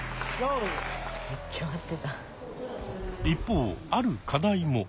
一方ある課題も。